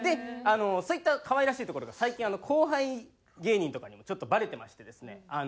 そういった可愛らしいところが最近後輩芸人とかにもちょっとバレてましてですね。